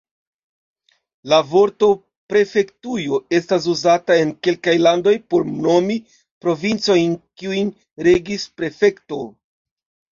La vorto prefektujo estas uzata en kelkaj landoj por nomi provincojn kiujn regis prefekto.